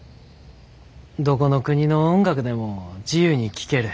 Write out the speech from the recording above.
どこの国の音楽でも自由に聴ける。